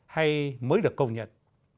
hay mới được công nhận